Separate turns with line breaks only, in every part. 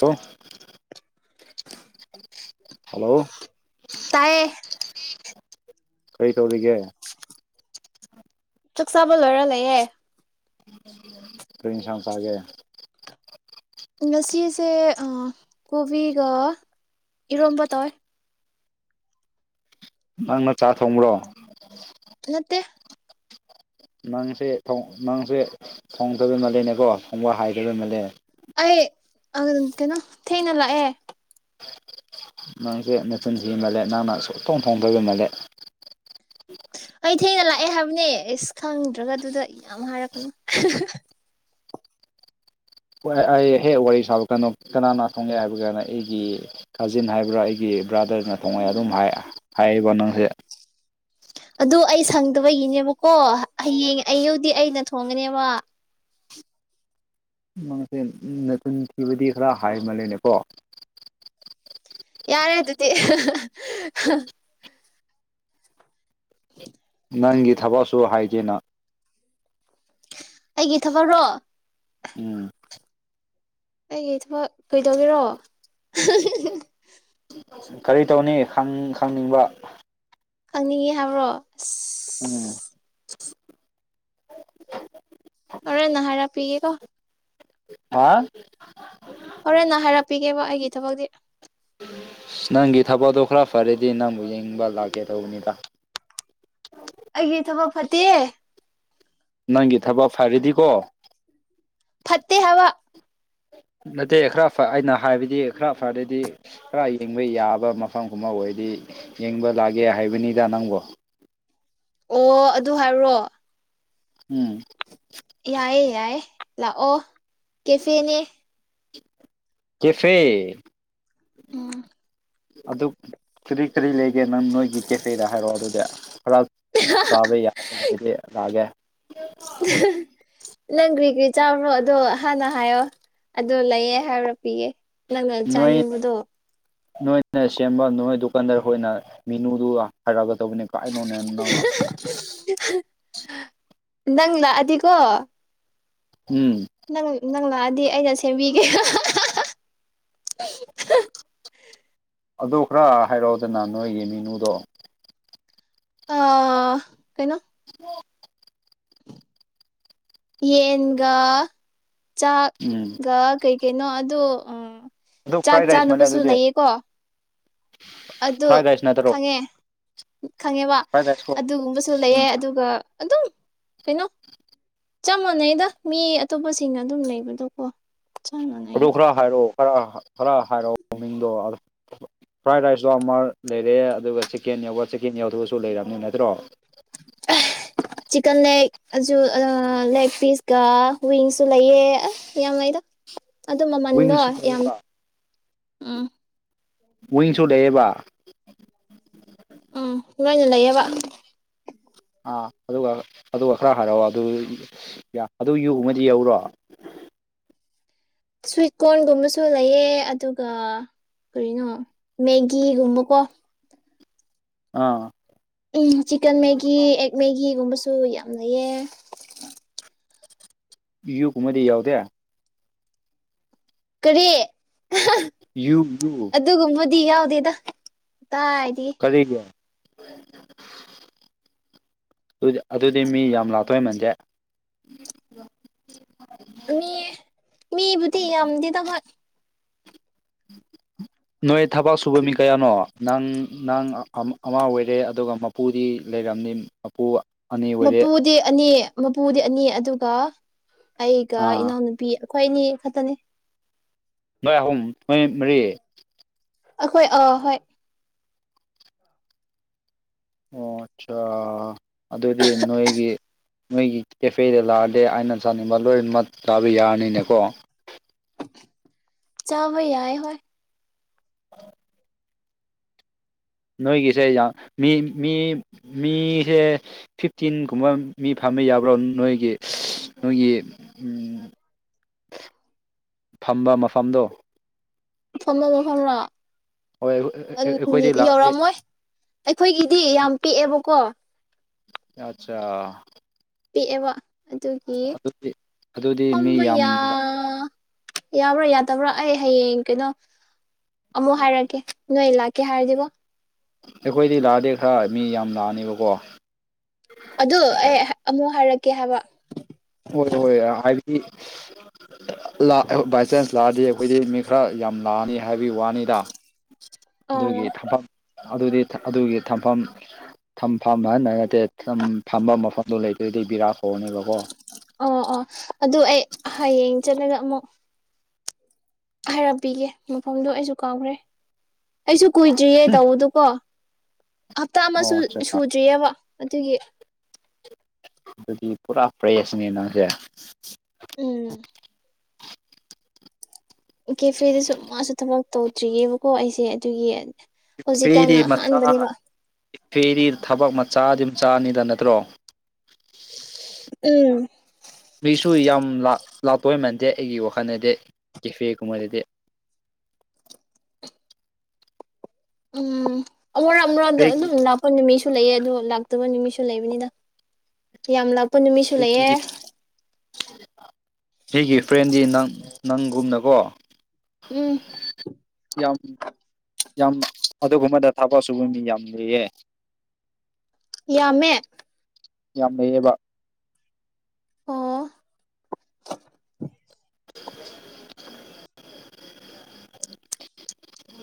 hello hello
ꯇꯥꯏꯌꯦ
ꯀꯩ ꯇꯧꯔꯤꯒꯦ
[unintelligible] ꯆꯥꯛ ꯆꯥꯕ ꯂꯣꯏꯔ ꯂꯩꯌꯦ
ꯀꯔꯤ ꯌꯦꯟꯁꯥꯡ ꯆꯥꯒꯦ
ꯉꯁꯤꯁꯦ ꯀꯣꯕꯤꯒ ꯏꯔꯣꯝꯕ ꯇꯧꯋꯦ
ꯅꯪꯅ ꯆꯥꯛ ꯊꯣꯡꯕ꯭ꯔꯣ
ꯅꯠꯇꯦ
ꯅꯪꯁꯦ ꯊꯣꯡꯗ ꯅꯪꯁꯦ ꯊꯣꯡꯗꯕ ꯃꯥꯂꯦꯅꯦꯀꯣ ꯊꯣꯡꯕ ꯍꯥꯏꯗꯕꯩ ꯃꯥꯂꯦꯅꯦ
ꯑꯩ ꯀꯩꯅꯣ ꯊꯦꯡꯅ ꯂꯥꯛꯑꯦ
ꯅꯪꯁꯦ ꯅꯆꯤꯟ ꯊꯤꯃꯥꯜꯂꯦ ꯅꯪꯅ ꯁꯨꯡꯊꯣꯡ ꯊꯣꯡꯗꯕ ꯃꯥꯜꯂꯦ
ꯑꯩ ꯊꯦꯡꯅ ꯂꯥꯛꯑꯦ ꯍꯥꯏꯕꯅꯦ ꯑꯁ ꯈꯪꯗ꯭ꯔꯒ ꯑꯗꯨꯗ ꯌꯥꯝ ꯍꯥꯏꯔꯛꯀꯅꯨ
ꯑꯥ ꯑꯩ ꯍꯦꯛ ꯋꯥꯔꯤ ꯁꯥꯕꯒꯥꯟ ꯀꯩꯅꯣ ꯀꯅꯥꯅꯅꯥ ꯊꯣꯡꯒꯦ ꯍꯥꯏꯕꯒꯥꯟꯅ ꯑꯩꯒꯤ ꯀꯥꯖꯤꯟ ꯍꯥꯏꯕ꯭ꯔꯥ ꯑꯩꯒꯤ ꯕ꯭ꯔꯥꯗꯔꯅ ꯊꯣꯡꯉꯦ ꯑꯗꯨꯝ ꯍꯥꯏꯌꯦꯕ ꯅꯪꯁꯦ
ꯑꯗꯨ ꯑꯩ ꯁꯪꯗꯕꯒꯤꯅꯦꯕꯀꯣ ꯍꯌꯦꯡ ꯑꯌꯨꯛꯗꯤ ꯑꯩꯅ ꯊꯣꯡꯒꯅꯦꯕ
ꯅꯪꯁꯦ ꯅꯆꯤꯟ ꯊꯤꯕꯗꯤ ꯈꯔ ꯍꯥꯏ ꯃꯥꯜꯂꯦꯅꯦꯀꯣ
ꯌꯥꯔꯦ ꯑꯗꯨꯗꯤ
ꯅꯪꯒꯤ ꯊꯕꯛꯁꯨ ꯍꯥꯏꯗꯦꯅ
ꯑꯩꯒꯤ ꯊꯕꯛꯔꯣ
ꯎꯝ
ꯑꯩꯒꯤ ꯊꯕꯛ ꯀꯩꯗꯧꯒꯦꯔꯣ
ꯀꯔꯤ ꯇꯧꯅꯤ ꯈꯪ ꯈꯪꯅꯤꯡꯕ
ꯈꯪꯅꯤꯡꯉꯤ ꯍꯥꯏꯕ꯭ꯔꯣ ꯑꯁ
ꯎꯝ
ꯍꯣꯔꯦꯟ ꯍꯥꯢꯔꯛꯄꯤꯒꯦꯒꯣ
ꯍꯥ
ꯍꯣꯔꯦꯟꯅ ꯍꯥꯏꯔꯛꯄꯤꯒꯦꯕ ꯑꯩꯒꯤ ꯊꯕꯛꯇꯤ
ꯅꯪꯒꯤ ꯊꯕꯛꯗꯣ ꯈꯔ ꯐꯔꯗꯤ ꯅꯪꯕꯨ ꯌꯦꯡꯕ ꯂꯥꯛꯀꯦ ꯇꯧꯕꯅꯤꯗ
ꯑꯩꯒꯤ ꯊꯕꯛ ꯐꯠꯇꯤꯌꯦ
ꯅꯪꯒꯤ ꯊꯕꯛ ꯐꯔꯗꯤꯀꯣ
ꯐꯠꯇꯦ ꯍꯥꯏꯕꯥ
ꯅꯠꯇꯦ ꯈꯔ ꯑꯩꯅ ꯍꯥꯏꯕꯗꯤ ꯈꯔ ꯐꯔꯗꯤ ꯈꯔ ꯌꯦꯡꯕ ꯌꯥꯕ ꯃꯐꯝꯒꯨꯝꯕ ꯑꯣꯏꯔꯗꯤ ꯌꯦꯡꯕ ꯂꯥꯛꯒꯦ ꯍꯥꯏꯕꯅꯤꯗ ꯅꯪꯕꯨ
ꯑꯣ ꯑꯗꯨ ꯍꯥꯏꯕ꯭ꯔꯣ
ꯎꯝ
ꯌꯥꯏꯌꯦ ꯌꯥꯏꯌꯦ ꯂꯥꯛꯑꯣ ꯀꯦꯐꯦꯅꯦ
ꯀꯦꯐꯦ
ꯎꯝ
ꯑꯗꯨ ꯀꯔꯤ ꯀꯔꯤ ꯂꯩꯒꯦ ꯅꯪ ꯅꯣꯏꯒꯤ ꯀꯦꯐꯦꯗ ꯍꯥꯏꯔꯛꯑꯣ ꯑꯗꯨꯗꯤ ꯈꯔ ꯆꯕ ꯌꯥꯔꯗꯤ ꯆꯥꯒꯦ
ꯎ [unintelligible] ꯅꯪ ꯀ꯭ꯔꯤ ꯀ꯭ꯔꯤ ꯆꯥꯕ꯭ꯔꯣ ꯑꯗꯣ ꯍꯥꯟꯅ ꯍꯥꯏꯌꯣ ꯑꯗꯨ ꯂꯩꯌꯦ ꯍꯥꯏꯔ ꯄꯤꯒꯦ
ꯅꯣꯏ ꯅꯣꯏꯅ ꯁꯦꯝꯕ ꯅꯣ ꯍꯣꯏ ꯗꯨꯀꯥꯟꯗꯔ ꯍꯣꯏꯅ ꯃꯤꯅꯨꯗꯨꯒ ꯍꯥꯏꯔꯛꯒꯗꯧꯕꯅꯦ ꯀꯥꯏꯅꯣꯅꯦ ꯅꯪꯅ
[unintelligible] ꯅꯪ ꯂꯥꯛꯑꯗꯤꯀꯣ
ꯎꯝ
ꯅꯪ ꯅꯪ ꯂꯥꯛꯑꯗꯤ ꯑꯩꯅ ꯁꯦꯝꯕꯤꯒꯦ
ꯑꯗꯣ ꯈꯔ ꯍꯥꯏꯔꯛꯑꯣꯗꯅ ꯅꯣꯏꯒꯤ ꯃꯤꯅꯨꯗꯣ
ꯑꯥ ꯀꯩꯅꯣ
ꯍ [unintelligible]
ꯌꯦꯟꯒ ꯆꯥꯛ
ꯎꯝ
ꯑꯗꯨꯒ ꯀꯩ ꯀꯩꯅꯣ ꯑꯗꯨ
ꯑꯗꯨ
ꯆꯥꯛ
ꯐ꯭ꯔꯥꯏ ꯔꯥꯏꯁ ꯃꯥꯜꯂꯦ
ꯆꯥꯅꯕꯁꯨ
ꯑꯗꯨꯗꯤ
ꯂꯩꯌꯦꯀꯣ ꯑꯗꯨ
ꯐ꯭ꯔꯥꯏ ꯔꯥꯏꯁ ꯅꯠꯇ꯭ꯔꯣ
ꯈꯪꯉꯦ ꯈꯪꯉꯦꯕ
ꯐ꯭ꯔꯥꯏ ꯔꯥꯏꯁ ꯀꯣ
ꯑꯗꯨꯒꯨꯝꯕꯁꯨ ꯂꯩꯌꯦ ꯑꯗꯨꯒ ꯑꯗꯨꯝ ꯀꯩꯅꯣ ꯆꯞ ꯃꯥꯟꯅꯩꯗ ꯃꯤ ꯑꯇꯣꯞꯄꯁꯤꯡꯅ ꯑꯗꯨꯝ ꯂꯩꯕꯗꯣꯀꯣ ꯆꯞ
ꯑꯗꯣ
ꯃꯥꯟꯅꯩꯌꯦ
ꯈꯔ ꯍꯥꯏꯔꯛꯑꯣ ꯈꯔ ꯈꯔ ꯍꯥꯏꯔꯛꯑꯣ ꯃꯃꯤꯡꯗꯣ ꯐ꯭ꯔꯥꯏꯗ ꯔꯥꯏꯁꯇꯣ ꯑꯃ ꯂꯩꯔꯦ ꯑꯗꯨꯒ ꯆꯤꯛꯀꯦꯟ ꯌꯧꯕ ꯆꯤꯛꯀꯦꯟ ꯌꯧꯗꯕꯁꯨ ꯂꯩꯔꯝꯅꯤ ꯅꯠꯇ꯭ꯔꯣ ꯍ [inaudible]
ꯆꯤꯡꯒꯥꯟꯅꯦ ꯑꯗꯨ ꯂꯦꯒ ꯄꯤꯁꯀ ꯋꯤꯡꯁꯨ ꯂꯩꯑꯦ ꯑꯥ ꯌꯥꯝ ꯂꯩꯗ ꯑꯗꯨ ꯃꯃꯟꯗꯣ
ꯋꯤꯡꯁꯨ
ꯌꯥꯝ
ꯂꯩꯌꯦꯕ
ꯎꯝ
ꯋꯤꯡꯁꯨ ꯂꯩꯌꯦꯕ
ꯎꯝ ꯂꯣꯏꯅ ꯂꯩꯌꯦꯕ
ꯑꯥ ꯑꯗꯨꯒ ꯑꯗꯨꯒ ꯈꯔ ꯍꯥꯏꯔꯛꯑꯣ ꯑꯗꯨ ꯑꯗꯨ ꯌꯨꯒꯨꯝꯕꯗꯤ ꯌꯧꯕ꯭ꯔꯣ
ꯁ꯭ꯋꯤꯠ ꯀꯣꯔꯟꯒꯨꯝꯕꯁꯨ ꯂꯩꯑꯦ ꯑꯗꯨꯒ ꯀꯔꯤꯅꯣ ꯃꯦꯒꯤꯒꯨꯝꯕꯀꯣ
ꯑꯥ
ꯎꯝ ꯆꯤꯛꯀꯟ ꯃꯦꯒꯤ ꯑꯦꯛ ꯃꯦꯒꯤꯒꯨꯝꯕꯁꯨ ꯌꯥꯝ ꯂꯩꯌꯦ
ꯌꯨꯀꯨꯝꯕꯗꯤ ꯌꯥꯎꯗꯦ
ꯀꯔꯤ
ꯌꯨꯕꯨ
ꯑꯗꯨꯒꯨꯝꯕꯗꯤ ꯌꯥꯎꯗꯦꯗ ꯀꯥꯏꯗꯒꯤ
ꯀꯔꯤꯒꯤ ꯑꯗꯨꯗꯤ ꯃꯤ ꯌꯥꯝ ꯂꯥꯛꯇꯣꯏ ꯃꯟꯗꯦ
ꯃꯤ ꯃꯤꯕꯨꯗꯤ ꯌꯥꯝꯗꯦꯗ ꯍꯣꯏ
ꯎꯝ ꯎꯝ [unintelligible] ꯅꯣꯏ ꯊꯕꯛ ꯁꯨꯕ ꯃꯤ ꯀꯌꯥꯅꯣ ꯅꯪ ꯅꯪ ꯑꯃ ꯑꯣꯏꯔꯦ ꯑꯗꯨꯒ ꯃꯄꯨꯗꯤ ꯂꯩꯔꯝꯅꯤ ꯃꯄꯨ ꯑꯅꯤ ꯑꯣꯏꯔꯦ
ꯃꯄꯨꯗꯤ ꯑꯅꯤ ꯃꯄꯨꯗꯤ ꯑꯅꯤ ꯑꯗꯨꯒ ꯑꯩꯒ
ꯑꯥ
ꯏꯅꯥꯎꯅꯨꯄꯤ ꯅꯨꯄꯤ ꯑꯩꯈꯣꯏ ꯑꯅꯤ ꯈꯛꯇꯅꯦ
ꯅꯣꯏ ꯑꯍꯨꯝ ꯅꯣꯏ ꯃꯔꯤ
ꯑꯩꯈꯣꯏ ꯑꯥ ꯍꯣꯏ
ꯑꯣ ꯑꯠꯆꯥꯥ ꯑꯗꯨꯗꯤ ꯅꯣꯏꯒꯤ ꯅꯣꯏꯒꯤ ꯀꯦꯐꯦꯗ ꯂꯥꯛꯑꯗꯤ ꯑꯩꯅ ꯆꯥꯅꯤꯡꯕ ꯂꯣꯏꯅꯃꯛ ꯆꯥꯕ ꯌꯥꯔꯅꯤꯅꯦꯀꯣ
ꯆꯥꯕꯥ ꯌꯥꯏ ꯍꯣꯏ
ꯑ [unintelligible] ꯅꯣꯏꯒꯤꯁꯦ ꯌꯥꯝ ꯃꯤ ꯃꯤ ꯃꯤꯁꯦ ꯐꯤꯐꯇꯤꯟꯒꯨꯝꯕ ꯃꯤ ꯐꯝꯕ ꯌꯥꯕ꯭ꯔꯣ ꯅꯣꯏꯒꯤ ꯅꯣꯏꯒꯤ [inaudible] ꯐꯥꯝꯕ ꯃꯐꯝꯗꯣ
ꯐꯝꯐꯝ ꯃꯐꯝꯂꯣ
ꯍꯣꯏ ꯑꯩꯈꯣꯏꯗꯤ ꯂꯥꯛꯑꯗꯤ
ꯌꯧꯔꯛꯃꯣꯏ ꯑꯩꯈꯣꯏꯒꯤꯗꯤ ꯌꯥꯝ ꯄꯤꯛꯑꯦꯕꯀꯣ
ꯑꯆꯥ
ꯄꯤꯛꯑꯦꯕ ꯑꯗꯨꯒꯤ
ꯑꯗꯨꯗꯤ ꯑꯗꯨꯗꯤ ꯃꯤ
ꯐꯝꯕ
ꯌꯥꯝ
ꯌꯥ ꯌꯥꯕ꯭ꯔꯥ ꯌꯥꯗꯕ꯭ꯔꯥ ꯑꯩ ꯍꯌꯦꯡ ꯀꯩꯅꯣ ꯑꯃꯨꯛ ꯍꯥꯏꯔꯛꯒꯦ ꯅꯣꯏ ꯂꯥꯛꯀꯦ ꯍꯥꯏꯔꯗꯤꯒꯣ
ꯑꯩꯈꯣꯏꯗꯤ ꯂꯥꯛꯑꯗꯤ ꯈꯔ ꯃꯤ ꯌꯥꯝ ꯂꯥꯛꯑꯅꯦꯕꯀꯣ
ꯑꯗꯨ ꯑꯩ ꯑꯃꯨꯛ ꯍꯥꯏꯔꯛꯀꯦ ꯍꯥꯏꯕ
ꯍꯣꯏ ꯍꯣꯏ ꯍꯥꯏꯕꯗꯤ ꯕꯥꯏ ꯆꯥꯟꯁ ꯂꯥꯛꯑꯗꯤ ꯑꯩꯈꯣꯏꯗꯤ ꯃꯤ ꯈꯔ ꯌꯥꯝ ꯂꯥꯛꯑꯅꯤ ꯍꯥꯏꯕꯒꯤ ꯋꯥꯅꯤꯗ ꯑꯗꯨꯒꯤ
ꯑꯣ
ꯊꯝꯐꯝ ꯑꯗꯨꯗꯤ ꯑꯗꯨꯒꯤ ꯊꯝꯐꯝ ꯊꯝꯐꯝ ꯅꯠꯇꯦ ꯐꯝꯕꯝ ꯃꯐꯝꯗꯣ ꯂꯩꯇ꯭ꯔꯗꯤ ꯕꯤꯔꯥ ꯀꯥꯅꯦꯕꯀꯣ
ꯑꯣ ꯑꯣ ꯑꯗꯨ ꯑꯩ ꯍꯌꯦꯡ ꯆꯠꯂꯒ ꯑꯃꯨꯛ ꯍꯥꯏꯔꯞꯄꯤꯒꯦ ꯃꯐꯝꯗꯣ ꯑꯩꯁꯨ ꯀꯥꯎꯈ꯭ꯔꯦ ꯑꯩꯁꯨ ꯀꯨꯏꯗ꯭ꯔꯤꯌꯦ ꯇꯧꯕꯗꯨ ꯀꯣ ꯍꯞꯇꯥ ꯑꯃꯁꯨ
ꯑꯣ ꯑꯠꯆꯥ
ꯁꯨꯗ꯭ꯔꯤꯑꯦꯕ ꯑꯗꯨꯒꯤ
ꯑꯗꯨꯗꯤ ꯄꯨꯔꯥ ꯄ꯭ꯔꯦꯁꯅꯦ ꯅꯪꯁꯦ
ꯎꯝ ꯀꯦꯐꯦꯗꯁꯨ ꯃꯥꯁꯨ ꯊꯕꯛ ꯇꯧꯗ꯭ꯔꯤꯌꯦꯕꯀꯣ ꯑꯩꯁꯦ ꯑꯗꯨꯒꯤ ꯍꯧꯖꯤꯛꯀꯥꯟꯅ ꯑꯍꯥꯟꯕꯅꯦꯕ
ꯀꯦꯐꯦꯗꯤ ꯊꯕꯛ ꯃꯆꯥꯗꯤ ꯃꯆꯥꯅꯤꯗ ꯅꯠꯇ꯭ꯔꯣ
ꯎꯝ
ꯃꯤꯁꯨ ꯌꯥꯝ ꯂꯥꯛꯇꯧ ꯃꯥꯟꯗꯦ ꯑꯩꯒꯤ ꯋꯥꯈꯜꯗꯗꯤ ꯀꯦꯐꯦꯒꯨꯝꯕꯗꯗꯤ
ꯎꯝ ꯑꯃꯨꯔꯛ ꯑꯃꯨꯔꯛꯗ
ꯑꯩꯒꯤ
ꯑꯗꯨꯝ ꯂꯥꯛ ꯍꯣꯏ ꯅꯨꯃꯤꯠꯁꯨ ꯂꯩꯑꯦ ꯑꯗꯣ ꯂꯥꯛꯇꯕ ꯅꯨꯃꯤꯠꯁꯨ ꯂꯩꯕꯅꯤꯗ ꯌꯥꯝ ꯂꯥꯛꯄ ꯅꯨꯃꯤꯠꯁꯨ ꯂꯩꯑꯦ
ꯑꯩꯒꯤ ꯐ꯭ꯔꯦꯟꯗꯤ ꯅꯪ ꯅꯪꯒꯨꯝꯅꯀꯣ
ꯎꯝ
ꯌꯥꯝ ꯌꯥꯝ ꯑꯗꯨꯒꯨꯝꯕꯗ ꯊꯥꯕꯛ ꯁꯨꯕ ꯃꯤ ꯌꯥꯝ ꯂꯩꯌꯦ [inaudible]
ꯌꯥꯝꯃꯦ
ꯌꯥꯝ ꯂꯩꯩꯌꯦꯕ
ꯑꯣ
[inaudible]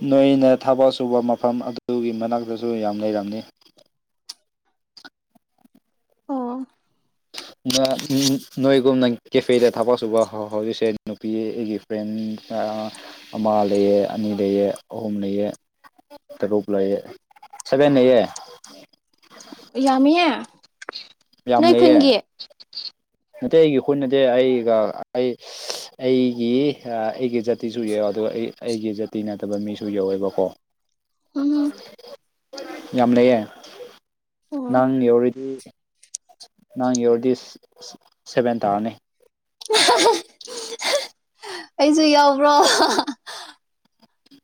ꯅꯣꯏꯅ ꯊꯕꯛ ꯁꯨꯕ ꯃꯐꯝ ꯑꯗꯨꯒꯤ ꯃꯅꯥꯛꯇꯁꯨ ꯌꯥꯝ ꯂꯩꯔꯝꯅꯤ
ꯑꯣ
ꯅꯣꯏꯒꯨꯝꯅ ꯀꯦꯐꯦꯗ ꯊꯕꯛ ꯁꯨꯕ ꯍꯧꯖꯤꯛꯁꯦ ꯅꯨꯄꯤ ꯑꯩꯒꯤ ꯐ꯭ꯔꯦꯟ ꯑꯃ ꯂꯩꯑꯦ ꯑꯅꯤ ꯂꯩꯑꯦ ꯑꯍꯨꯝ ꯂꯩꯑꯦ ꯇꯔꯨꯛ ꯂꯩꯌꯦ ꯁꯕꯦꯟ ꯂꯩꯌꯦ
ꯌꯥꯝꯃꯤꯍꯦ
ꯌꯥꯝ
ꯅꯣꯏ
ꯂꯩꯌꯦ
ꯈꯨꯟꯒꯤ
ꯅꯠꯇꯦ ꯑꯩꯒꯤ ꯈꯨꯟ ꯅꯠꯇꯦ ꯑꯩꯒ ꯑꯩ ꯑꯩꯒꯤ ꯑꯩꯒꯤ ꯖꯥꯇꯤꯁꯨ ꯌꯥꯎꯏ ꯑꯗꯨꯒ ꯑꯩ ꯑꯩꯒꯤ ꯖꯥꯇꯤ ꯅꯠꯇꯕ ꯃꯤꯁꯨ ꯌꯧꯋꯦꯕꯀꯣ
ꯎꯝ
ꯌꯥꯝ ꯂꯩꯌꯦ
ꯑꯣ
ꯅꯪ ꯌꯧꯔꯗꯤ ꯅꯪ ꯌꯥꯎꯔꯗꯤ ꯁꯚꯦꯟ ꯇꯥꯔꯅꯤ
ꯑꯩꯁꯨ ꯌꯥꯎꯕ꯭ꯔꯣ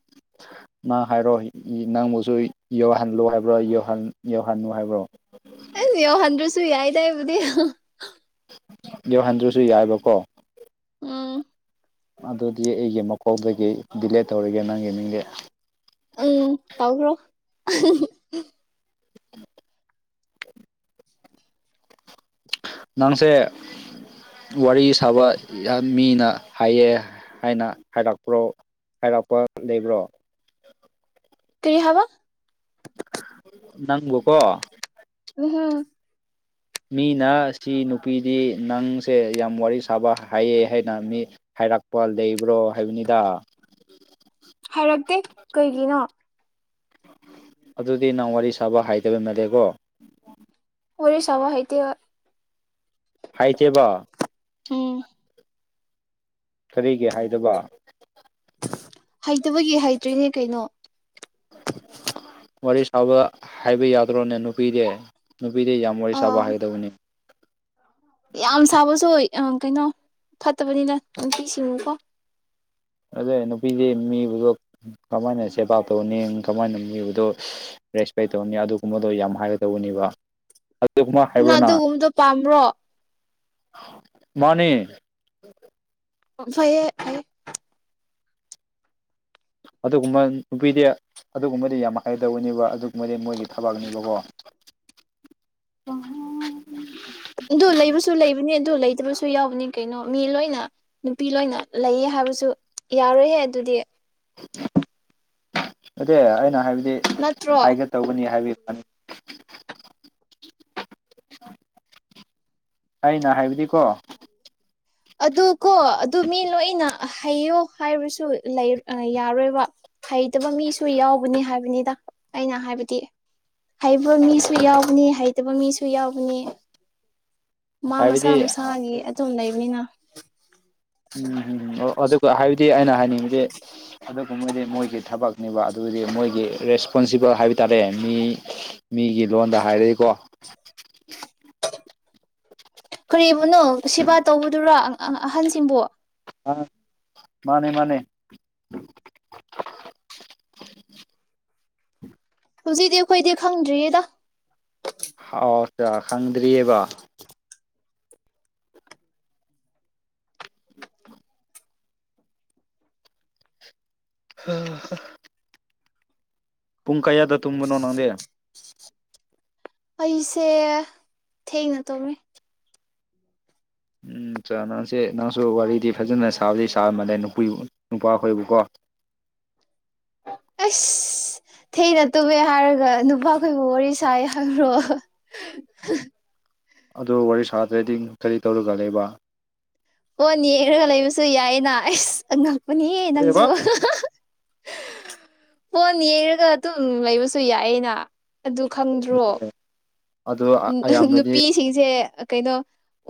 [inaudible] ꯅꯪ ꯍꯥꯏꯔꯣ ꯅꯪꯕꯨꯁꯨ ꯌꯧꯍꯜꯂꯨ ꯍꯥꯏꯕ꯭ꯔꯣ ꯌꯧꯍꯜꯂꯨ ꯍꯥꯏꯕ꯭ꯔꯣ
ꯈꯪꯗꯦ ꯌꯥꯎꯍꯟꯗꯔ꯭ꯁꯨ ꯌꯥꯏꯗ ꯑꯩꯕꯨꯗꯤ
ꯌꯧꯍꯟꯗ꯭ꯔꯁꯨ ꯌꯥꯏꯕꯀꯣ
ꯎꯝ
ꯑꯗꯨꯗꯤ ꯑꯩꯒꯤ ꯃꯀꯣꯛꯗꯒꯤ ꯗꯤꯂꯦꯠ ꯇꯧꯔꯒꯦ ꯅꯪꯒꯤ ꯃꯤꯡꯗꯤ
ꯎꯝ ꯇꯧꯒ꯭ꯔꯣ
ꯅꯪꯁꯦ ꯋꯥꯔꯤ ꯁꯥꯕ ꯌꯥꯝ ꯃꯤꯅ ꯍꯥꯏꯌꯦ ꯍꯥꯏꯅ ꯍꯥꯏꯔꯛꯄ꯭ꯔꯣ ꯍꯥꯏꯔꯛꯄ ꯂꯩꯕ꯭ꯔꯣ
ꯀꯔꯤ ꯍꯥꯏꯕ
ꯅꯪꯕꯨꯀꯣ
ꯎꯝ
ꯃꯤꯅ ꯁꯤ ꯅꯨꯄꯤꯗꯤ ꯅꯪꯁꯦ ꯌꯥꯝ ꯋꯥꯔꯤ ꯁꯥꯕ ꯍꯥꯏꯌꯦ ꯍꯥꯏꯅ ꯃꯤ ꯍꯥꯏꯔꯛꯄ ꯂꯩꯕ꯭ꯔꯣ ꯍꯥꯏꯕꯅꯤꯗ
ꯍꯥꯏꯔꯛꯇꯦ ꯀꯩꯒꯤꯅꯣ
ꯑꯗꯨꯗꯤ ꯅꯪ ꯋꯥꯔꯤ ꯁꯥꯕ ꯍꯩꯇꯕ ꯃꯜꯂꯦꯀꯣ
ꯋꯥꯔꯤ ꯁꯕꯥ ꯍꯩꯇꯦ
ꯍꯩꯇꯦꯕ
ꯎꯝ
ꯀꯔꯤꯒꯤ ꯍꯩꯗꯕ
ꯍꯩꯇꯕꯒꯤ ꯍꯩꯇ꯭ꯔꯤꯅꯦ ꯀꯩꯅꯣ
ꯋꯥꯔꯤ ꯁꯥꯕ ꯍꯩꯕ ꯌꯥꯗ꯭ꯔꯣꯅꯦ ꯅꯨꯄꯤꯗꯤ ꯅꯨꯄꯤꯗꯤ ꯌꯥꯝ ꯋꯥꯔꯤ ꯁꯥꯕ
ꯑꯥ
ꯍꯩꯒꯗꯕꯅꯤ
ꯌꯥꯝ ꯁꯥꯕꯁꯨ ꯀꯩꯅꯣ ꯐꯠꯇꯕꯅꯤꯗ ꯅꯨꯄꯤꯁꯤꯡꯀꯣ
ꯑꯗ ꯅꯨꯄꯤꯗꯤ ꯃꯤꯕꯨꯗꯣ ꯀꯃꯥꯏꯅ ꯁꯦꯕꯥ ꯇꯧꯅꯤ ꯀꯃꯥꯏꯅ ꯃꯤꯕꯨꯗꯣ ꯔꯦꯁꯄꯦꯛ ꯇꯧꯅꯤ ꯑꯗꯨꯒꯨꯝꯕꯗꯣ ꯌꯥꯝ ꯍꯥꯏꯒ ꯇꯧꯅꯦꯕ ꯥꯑꯗꯨꯒꯨꯝꯕ ꯍꯩꯕ꯭ꯔ ꯅꯪ
ꯑꯗꯨꯒꯨꯝꯕꯗꯣ ꯄꯥꯝꯕ꯭ꯔꯣ
ꯃꯥꯅꯦ
ꯐꯩꯌꯦ
ꯑꯗꯨꯒꯨꯝꯕ ꯅꯨꯄꯤꯗꯤ ꯑꯗꯨꯒꯨꯝꯕꯗꯤ ꯌꯥꯝ ꯍꯩꯒꯗꯧꯅꯦꯕ ꯑꯗꯨꯒꯨꯝꯕꯗꯤ ꯃꯣꯏꯒꯤ ꯊꯕꯛꯅꯦꯕꯀꯣ ꯑꯝ
ꯑꯗꯨ ꯂꯩꯕꯁꯨ ꯂꯩꯕꯅꯤ ꯑꯗꯨ ꯂꯩꯇ꯭ꯔꯁꯨ ꯌꯥꯎꯕꯅꯤ ꯀꯩꯅꯣ ꯃꯤ ꯂꯣꯏꯅ ꯅꯨꯄꯤ ꯂꯣꯏꯅ ꯂꯩꯌꯦ ꯍꯥꯏꯕꯁꯨ ꯌꯥꯔꯣꯏꯍꯦ ꯑꯗꯨꯗꯤ
ꯅꯠꯇꯦ ꯑꯩꯅ ꯍꯥꯏꯕꯗꯤ
ꯅꯠꯇ꯭ꯔꯣ
ꯇꯧꯒꯅꯤ ꯍꯥꯏꯕꯤꯕ ꯑꯩꯅ ꯍꯥꯏꯕꯗꯤꯀꯣ
ꯑꯗꯨ ꯀꯣ ꯑꯗꯨ ꯃꯤ ꯂꯣꯏꯅ ꯍꯩꯌꯣ ꯍꯥꯏꯕꯁꯨ ꯌꯥꯔꯣꯏꯕ ꯍꯩꯇꯕ ꯃꯤꯁꯨ ꯌꯥꯎꯕꯅꯤ ꯍꯥꯏꯕꯅꯤꯗ ꯑꯩꯅ ꯍꯥꯏꯕꯗꯤ ꯍꯩꯕ ꯃꯤꯁꯨ ꯌꯥꯎꯕꯅꯦ ꯍꯩꯇꯕ ꯃꯤꯁꯨ ꯌꯥꯎꯕꯅꯦ ꯃꯥ ꯃꯁꯥ
ꯍꯥꯏꯕꯗꯤ
ꯃꯁꯥꯒꯤ ꯑꯗꯨꯝ ꯂꯩꯕꯅꯤꯅ
ꯎꯝꯝ ꯑꯣ ꯑꯗꯨꯒ ꯍꯥꯏꯕꯗꯤ ꯑꯩꯅ ꯍꯥꯏꯅꯤꯡꯉꯤꯗꯤ ꯑꯗꯨꯒꯨꯝꯕꯗꯤ ꯃꯣꯏꯒꯤ ꯊꯕꯛꯅꯦꯕ ꯑꯗꯨꯗꯤ ꯃꯣꯏꯒꯤ ꯔꯦꯁꯄꯣꯟꯁꯤꯕꯜ ꯍꯥꯏꯕ ꯇꯥꯔꯦ ꯃꯤ ꯃꯤꯒꯤ ꯂꯣꯟꯗ ꯍꯥꯏꯔꯗꯤꯀꯣ
ꯀꯔꯤꯕꯨꯅꯣ ꯁꯦꯕꯥ ꯇꯧꯕꯗꯨꯔꯣ ꯑꯍꯜꯁꯤꯡꯕꯨ
ꯑ ꯃꯥꯅꯦ ꯃꯥꯅꯦ
ꯍꯧꯖꯤꯛꯇꯤ ꯑꯩꯈꯣꯏꯗꯤ ꯈꯪꯗ꯭ꯔꯤꯌꯦꯗ
ꯑꯥꯎ ꯆꯥ ꯈꯪꯗ꯭ꯔꯤꯑꯦꯕ ꯑꯣ [unintelligible] ꯄꯨꯡ ꯀꯌꯥꯗ ꯇꯨꯝꯕꯅꯣ ꯅꯪꯗꯤ
ꯑꯩꯁꯦ ꯊꯦꯡꯅ ꯇꯨꯝꯃꯦ
ꯎꯝ ꯅꯪꯁꯦ ꯅꯪꯁꯨ ꯋꯥꯔꯤꯗꯤ ꯐꯖꯅ ꯁꯥꯕꯗꯤ ꯁꯥꯔꯝꯃꯜꯂꯦ ꯅꯨꯄꯤ ꯅꯨꯄꯥꯈꯣꯏꯕꯨꯀꯣ
ꯑꯁ ꯊꯦꯡꯅ ꯇꯨꯝꯃꯦ ꯍꯥꯏꯔꯒ ꯅꯨꯄꯥꯈꯣꯏꯕꯨ ꯋꯥꯔꯤ ꯁꯥꯏ ꯍꯥꯏꯕ꯭ꯔꯣ [unintelligible]
ꯑꯗꯨ ꯋꯥꯔꯤ ꯁꯥꯗ꯭ꯔꯗꯤ ꯀꯔꯤ ꯇꯧꯔꯒ ꯂꯩꯕ
ꯐꯣꯜ ꯌꯦꯛꯉꯒ ꯂꯩꯕꯁꯨ ꯌꯥꯏꯅ ꯑꯁ ꯉꯛꯄꯅꯤꯌꯦ
ꯀꯔꯤꯕ
ꯅꯪꯁꯨ ꯐꯣꯟ ꯌꯦꯡꯉꯒ ꯑꯗꯨꯝ ꯂꯩꯕꯁꯨ ꯌꯥꯏꯑꯦꯅ ꯑꯗꯨ ꯈꯪꯗ꯭ꯔꯣ
ꯑꯗꯨ
ꯅꯪ
ꯑꯌꯥꯝꯕꯗꯤ
ꯅꯨꯄꯤꯁꯤꯡꯁꯦ ꯀꯩꯅꯣ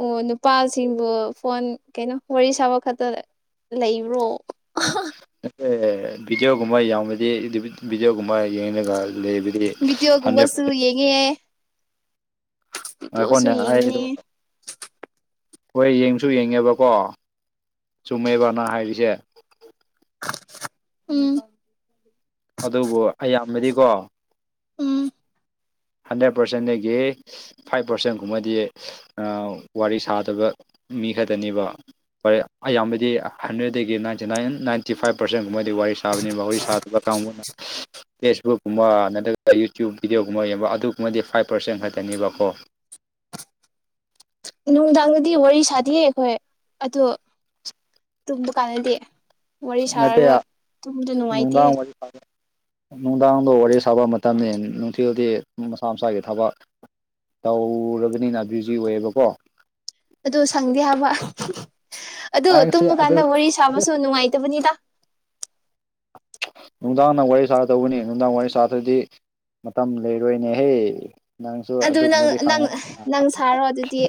ꯑꯣ ꯅꯨꯄꯥꯁꯤꯡꯕꯨ ꯐꯣꯟ ꯀꯩꯅꯣ ꯋꯥꯔꯤ ꯁꯥꯕ ꯈꯛꯇꯗ ꯂꯩꯕ꯭ꯔꯣ
ꯑꯦ ꯕꯤꯗꯤꯑꯣꯒꯨꯝꯕ ꯌꯥꯎꯕꯗꯤ ꯕꯤꯗꯤꯌꯣꯒꯨꯝꯕ ꯈ ꯌꯦꯡꯉꯒ ꯂꯩꯕꯗꯤ ꯍꯥꯟꯗ꯭ꯔꯦꯠ
ꯁꯨ ꯌꯦꯡꯉꯦ ꯚꯤꯗꯤꯑꯣꯁꯨ
ꯉꯥꯢꯈꯣꯅꯦ ꯑꯩ
ꯌꯦꯡꯕꯅꯦ
ꯍꯣꯏ ꯌꯦꯡꯁꯨ ꯌꯦꯡꯉꯦꯕꯀꯣ ꯆꯨꯝꯃꯦꯕꯅ ꯅꯪ ꯍꯥꯏꯔꯤꯁꯦ
ꯎꯝ
ꯑꯗꯨꯕꯨ ꯑꯌꯥꯝꯕꯗꯤꯀꯣ
ꯎꯝ
ꯍꯟꯗ꯭ꯔꯦꯠ ꯄꯥꯔꯁꯦꯟꯗꯒꯤ ꯐꯥꯏꯚ ꯄꯥꯔꯁꯦꯟꯒꯨꯝꯕꯗꯤ ꯋꯥꯔꯤ ꯁꯥꯗꯕ ꯃꯤ ꯈꯛꯇꯅꯦꯕ ꯑꯌꯥꯝꯕꯗꯤ ꯍꯟꯗ꯭ꯔꯦꯠꯇꯗꯒꯤ ꯅꯥꯏꯟꯇꯤ ꯅꯥꯏꯟ ꯅꯥꯏꯟꯇꯤ ꯐꯥꯏꯚ ꯄꯥꯔꯁꯦꯟꯒꯨꯝꯕꯗꯤ ꯋꯥꯔꯤ ꯁꯥꯕꯅꯦ ꯋꯥꯔꯤ ꯁꯥ ꯇꯧꯕꯗ ꯀꯪꯕꯨꯅ ꯐꯦꯁꯕꯨꯛ ꯀꯨꯝꯕ ꯅꯠꯇ꯭ꯔꯒ ꯌꯨꯇꯌꯨꯕ ꯚꯤꯗꯤꯑꯣꯒꯨꯝꯕ ꯌꯦꯡꯕ ꯑꯗꯨꯒꯨꯝꯕꯗꯤ ꯐꯥꯏꯚ ꯄꯥꯔꯁꯦꯟ ꯈꯛꯇꯅꯦꯕꯀꯣ
ꯅꯨꯡꯗꯥꯡꯗꯗꯤ ꯋꯥꯔꯤ ꯁꯥꯗꯦꯌꯦ ꯑꯩꯈꯣꯏ ꯑꯗꯣ ꯇꯨꯝꯕ ꯀꯥꯟꯗꯗꯤ ꯋꯥꯔꯤ ꯁꯥꯔꯒ ꯇꯨꯝꯕꯗ ꯅꯨꯡꯉꯥꯏꯇꯦ
ꯍ [inaudible] ꯅꯨꯡꯗꯥꯡꯗꯣ ꯋꯥꯔꯤ ꯁꯥꯕ ꯃꯇꯝꯅꯤ ꯅꯨꯡꯊꯤꯜꯗꯤ ꯃꯁꯥ ꯃꯁꯥꯒꯤ ꯊꯕꯛ ꯇꯧꯔꯕꯅꯤꯅ ꯕꯤꯖꯤ ꯑꯣꯏꯌꯦꯕꯀꯣ
ꯑꯗꯨ ꯁꯪꯗꯦ ꯍꯥꯏꯕ ꯑꯗꯨ
ꯍꯌꯦꯡꯁꯦ
ꯇꯨꯝꯕ ꯀꯥꯟꯗ
ꯑꯗꯨ
ꯋꯥꯔꯤ ꯁꯥꯕꯁꯨ ꯅꯨꯡꯉꯥꯏꯇꯕꯅꯤꯗ
ꯅꯨꯡꯗꯥꯡꯅ ꯋꯥꯔꯤ ꯁꯥꯗꯧꯕꯅꯤ ꯅꯨꯡꯗꯥꯡ ꯋꯥꯔꯤ ꯁꯥꯗ꯭ꯔꯗꯤ ꯃꯇꯝ ꯂꯩꯔꯣꯏꯅꯦꯍꯦ ꯅꯪꯁꯨ
ꯑꯗꯨ ꯅꯪ
ꯑꯗꯨꯒꯨꯝꯕꯗꯤ
ꯅꯪ
ꯈꯪꯉꯨ
ꯅꯪ ꯁꯥꯔꯣ ꯑꯗꯨꯗꯤ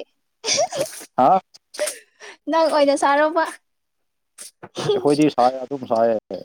ꯍꯥ
ꯅꯪ ꯑꯣꯏꯅ ꯁꯥꯔꯣꯕ
ꯑꯩꯈꯣꯏꯗꯤ ꯁꯥꯏ ꯑꯗꯨꯝ ꯁꯥꯏꯌꯦ